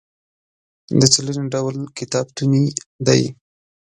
د څېړنې ډول کتابتوني دی.